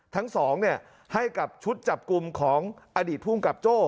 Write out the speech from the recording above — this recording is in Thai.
ทั้งสองให้กับชุดจับกลุ่มของอดีตภูมิกับโจ้